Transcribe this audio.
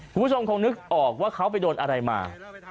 คุณผู้ชมคงนึกออกว่าเขาไปโดนอะไรมา